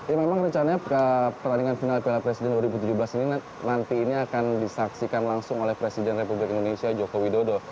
ya memang rencananya pertandingan final piala presiden dua ribu tujuh belas ini nanti ini akan disaksikan langsung oleh presiden republik indonesia joko widodo